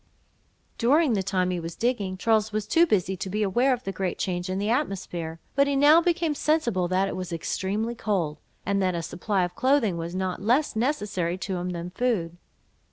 During the time he was digging, Charles was too busy to be aware of the great change in the atmosphere; but he now became sensible that it was extremely cold, and that a supply of clothing was not less necessary to him than food.